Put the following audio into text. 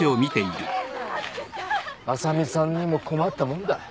麻美さんにも困ったもんだ。